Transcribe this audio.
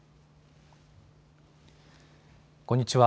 こんにちは。